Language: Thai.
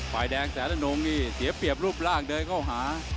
ฝ่ายแดงแสนนงนี่เสียเปรียบรูปร่างเดินเข้าหา